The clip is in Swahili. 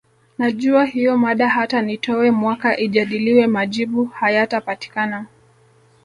Najua hiyo mada hata nitowe mwaka ijadiliwe majibu hayatapatikana